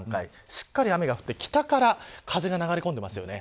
しっかり雨が降って北から風が流れ込んでいますよね。